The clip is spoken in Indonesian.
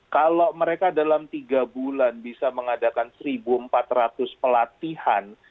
kalau mereka dalam tiga bulan bisa mengadakan seribu empat ratus pelatihan